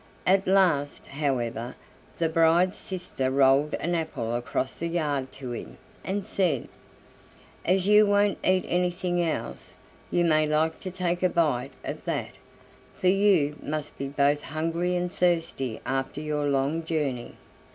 At last, however, the bride's sister rolled an apple across the yard to him, and said: "As you won't eat anything else, you may like to take a bite of that, for you must be both hungry and thirsty after your long journey."